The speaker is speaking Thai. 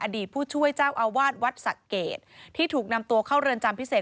ผู้ช่วยเจ้าอาวาสวัดสะเกดที่ถูกนำตัวเข้าเรือนจำพิเศษ